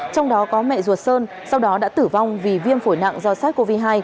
trong đó có mẹ ruột sơn sau đó đã tử vong vì viêm phổi nặng do sars cov hai